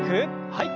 はい。